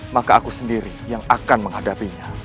maka aku sendiri yang akan menghadapinya